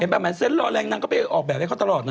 เห็นปะหมายถึงเซ็นต์รอแรงนางก็ไปออกแบบให้เขาตลอดนะ